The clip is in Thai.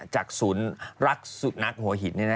จากศูนย์รักสุนัขหัวหิน